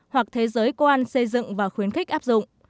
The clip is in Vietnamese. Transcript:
hoặc thế giới quan xây dựng và khuyến khích áp dụng